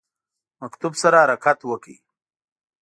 مکتوب سره حرکت وکړ.